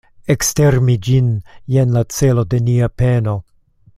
Ekstermi ĝin, jen la celo de nia peno.